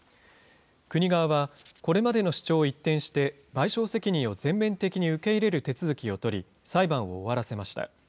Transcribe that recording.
国側は、これまでの主張を一転して、賠償責任を全面的に受け入れる手続きを取り、裁判を終わらせました。